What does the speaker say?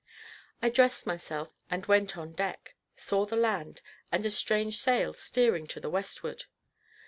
I dressed myself, and went on deck, saw the land, and a strange sail steering to the westward.